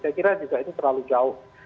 saya kira juga itu terlalu jauh